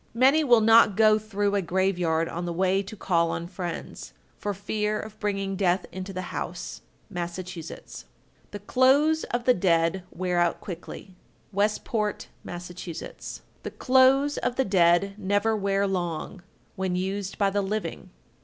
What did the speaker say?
Many will not go through a graveyard on the way to call on friends, for fear of bringing death into the house. Massachusetts. 1267. The clothes of the dead wear out quickly. Westport, Mass. 1268. "The clothes of the dead never wear long" when used by the living.